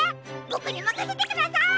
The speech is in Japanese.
ボクにまかせてください！